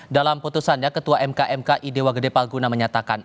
dalam putusannya ketua mk mki dewa gede palguna menyatakan